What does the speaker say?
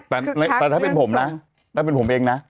แต่ถ้าเป็นผมนะถ้าเป็นผมเองนะ